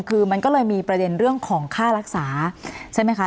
คือมันก็เลยมีประเด็นเรื่องของค่ารักษาใช่ไหมคะ